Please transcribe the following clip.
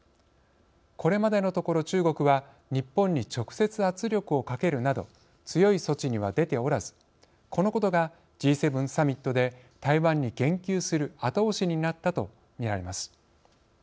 これまでのところ、中国は日本に直接、圧力をかけるなど強い措置には出ておらずこのことがＧ７サミットで台湾に言及する後押しになったとみられます。